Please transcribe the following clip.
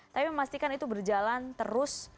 tapi memastikan itu berjalan terus